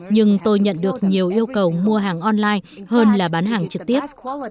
nhưng tôi nhận được nhiều yêu cầu mua hàng online hơn là bán hàng trực tiếp